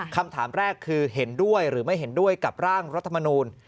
คำถามแรกคือเห็นด้วยหรือไม่เห็นด้วยกับร่างรัฐมนูล